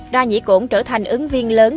đa nhĩ cổn trở thành ứng viên lớn